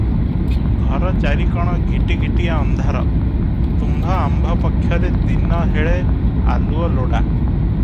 ଘର ଚାରିକଣ ଘିଟିଘିଟିଆ ଅନ୍ଧାର, ତୁମ୍ଭ ଆମ୍ଭ ପକ୍ଷରେ ଦିନହେଳେ ଆଲୁଅ ଲୋଡ଼ା ।